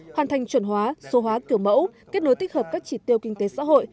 hoàn thành chuẩn hóa số hóa kiểu mẫu kết nối tích hợp các chỉ tiêu kinh tế xã hội